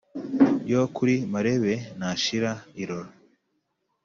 yo kuri marebe ntashira irora.